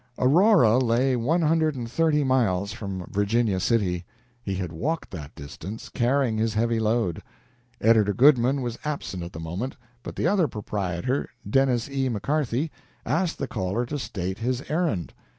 Aurora lay one hundred and thirty miles from Virginia City. He had walked that distance, carrying his heavy load. Editor Goodman was absent at the moment, but the other proprietor, Dennis E. McCarthy, asked the caller to state his errand.